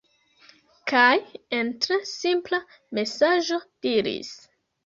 kaj en tre simpla mesaĝo diris